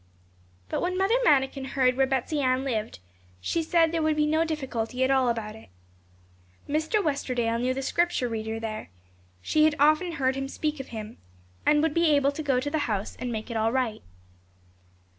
But when Mother Manikin heard where Betsey Ann lived, she said there would be no difficulty at all about it. Mr. Westerdale knew the Scripture Reader there; she had often heard him speak of him; and he would be able to go to the house and make it all right.